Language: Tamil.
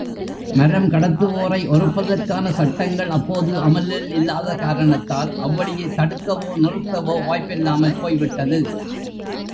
மரம்கடத்துவோரை ஒறுப்பதற்கான சட்டங்கள் அப்போது அமுலில் இல்லாத காரணத்தால் அவ்வழிவைத் தடுக்கவோ, நிறுத்தவோ வாய்ப்பில்லாமல் போய்விட்டது.